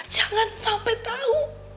jangan sampai tahu